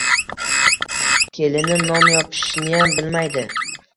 Kelinim non yopishniyam bilmaydi.